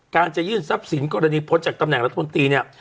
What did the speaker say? การจะยื่นทรัพย์สินกรณีพ้นจากตำแหน่งรัฐมนตรีเนี่ย